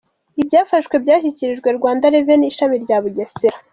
Ibyafashwe byashyikirijwe Rwanda Revenue ishami rya Bugesera.